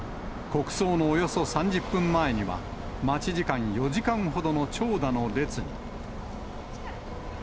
国葬のおよそ３０分前には、待ち時間４時間ほどの長蛇の列に。